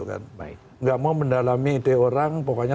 tidak mau mendalami ide orang pokoknya